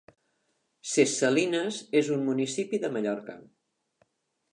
Ses Salines és un municipi de Mallorca.